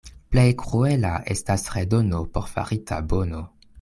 Plej kruela estas redono por farita bono.